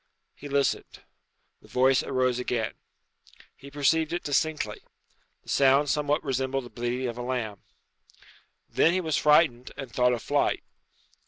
He listened. The voice arose again. He perceived it distinctly. The sound somewhat resembled the bleating of a lamb. Then he was frightened, and thought of flight.